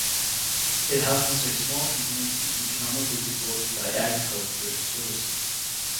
It houses a small community economically supported by agriculture and tourism.